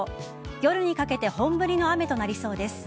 夜にかけて本降りの雨となりそうです。